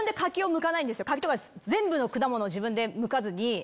柿とか全部の果物を自分でむかずに。